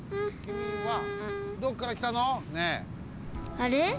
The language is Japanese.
あれ？